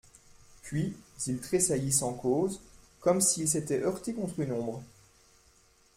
Puis, il tressaillit sans cause, comme s'il s'était heurté contre une ombre.